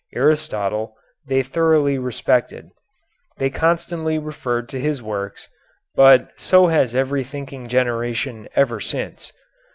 Aristotle they thoroughly respected. They constantly referred to his works, but so has every thinking generation ever since.